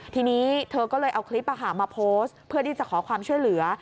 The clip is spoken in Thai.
ทีนี้เธอก็เลยเอาคลิปมาโพสต์เพื่อที่จะขอความช่วยเหลือ